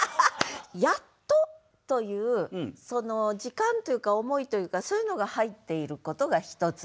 「やつと」という時間というか思いというかそういうのが入っていることが１つ。